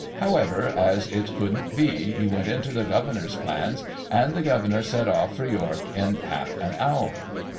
However, as it couldn't be, he went into the Governor's plans, and the Governor set off for York in half an hour.